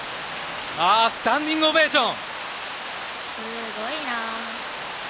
スタンディングオベーション。